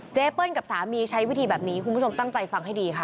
เปิ้ลกับสามีใช้วิธีแบบนี้คุณผู้ชมตั้งใจฟังให้ดีค่ะ